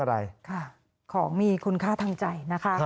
มันต้องเป็นแบบนี้